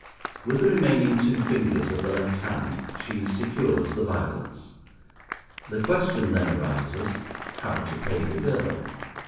With the remaining two fingers of the left hand she secures the violets. The question then arises, how to pay the girl?